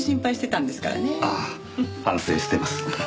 ああ反省してます。